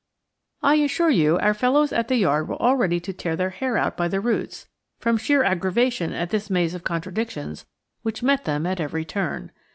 I assure you our fellows at the Yard were ready to tear their hair out by the roots, from sheer aggravation at this maze of contradictions which met them at every turn.